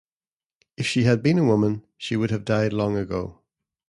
If she had been a woman she would have died long ago.